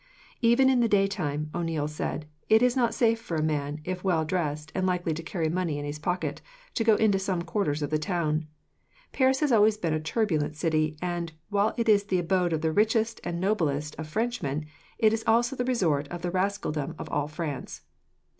"Even in the daytime," O'Neil said, "it is not safe for a man, if well dressed and likely to carry money in his pocket, to go into some quarters of the town. Paris has always been a turbulent city, and, while it is the abode of the richest and noblest of Frenchmen, it is also the resort of the rascaldom of all France.